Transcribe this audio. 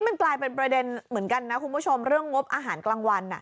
มันกลายเป็นประเด็นเหมือนกันนะคุณผู้ชมเรื่องงบอาหารกลางวัน